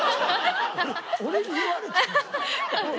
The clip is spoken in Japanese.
俺に言われてもな。